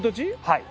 はい。